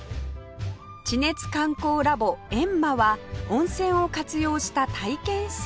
地熱観光ラボ縁間は温泉を活用した体験施設